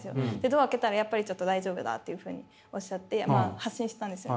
ドア開けたらやっぱりちょっと大丈夫だっていうふうにおっしゃって発進したんですよ。